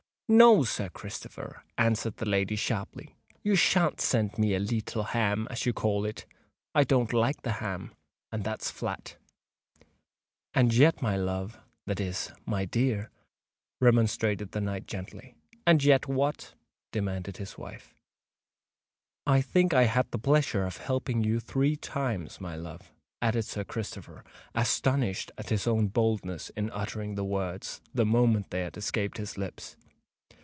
"No, Sir Christopher," answered the lady sharply: "you shan't send me a leetle ham, as you call it. I don't like the ham—and that's flat." "And yet, my love—that is, my dear—" remonstrated the knight gently. "And yet what?" demanded his wife. "I think I had the pleasure of helping you three times, my love," added Sir Christopher, astonished at his own boldness in uttering the words, the moment they had escaped his lips.